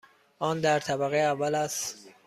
آن در طبقه اول است.